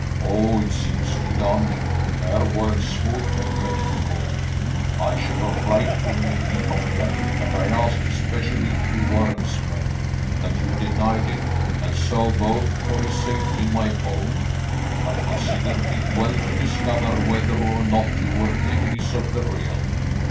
"Oh, it is easily done, and fair words smooth many a difficulty. I shall write to him if he complain, that I asked especially if you were his men, that you denied it, and so, both for his safety and my own, I considered it well to discover whether or not you were enemies of the realm.